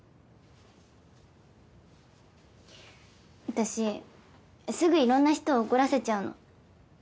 私すぐいろんな人を怒らせちゃうの。